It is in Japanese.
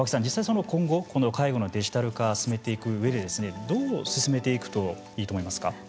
実際その今後この介護のデジタル化進めていく上でどう進めていくといいと思いますか？